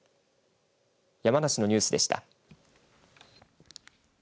山梨のニュースでした。